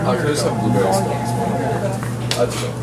唔該前面有落